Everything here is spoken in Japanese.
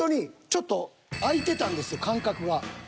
ちょっと空いてたんですよ間隔が。